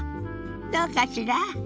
どうかしら？